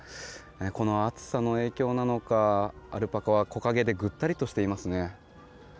この暑さの影響なのかアルパカは木陰でぐったりとしていますね。